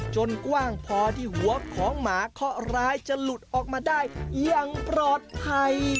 กว้างพอที่หัวของหมาเคาะร้ายจะหลุดออกมาได้อย่างปลอดภัย